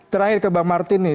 terakhir ke bang martin nih